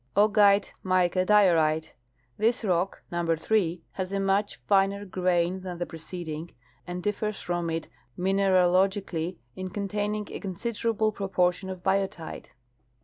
Aiigite mica diorite. — This rock (number 3) has a much finer grain than the preceding, and differs from it mineralogically in containing a considerable proportion of biotite.